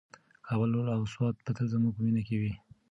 کابل او سوات به تل زموږ په مینه کې وي.